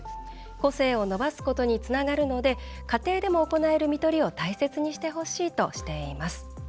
個性を伸ばすことにつながるので家庭でも行える「見取り」を大切にしてほしいとしています。